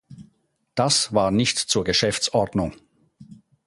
Das war nicht zur Geschäftsordnung!